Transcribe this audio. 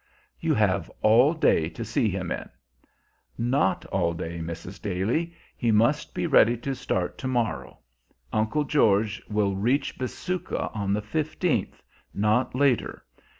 "You have all day to see him in." "Not all day, Mrs. Daly. He must be ready to start to morrow. Uncle George will reach Bisuka on the fifteenth, not later.